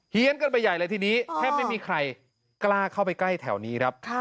ี้ยนกันไปใหญ่เลยทีนี้แทบไม่มีใครกล้าเข้าไปใกล้แถวนี้ครับ